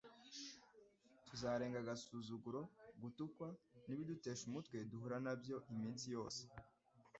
tuzarenga agasuzuguro, gutukwa n'ibidutesha umutwe duhura na byo iminsi yose,